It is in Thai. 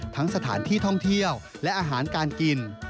สถานที่ท่องเที่ยวและอาหารการกิน